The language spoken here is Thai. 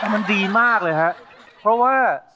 มันดีมากเลยครับเพราะว่า